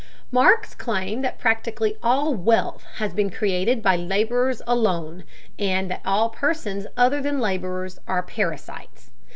Marx claimed that practically all wealth has been created by the laborers alone, and that all persons other than laborers are parasites.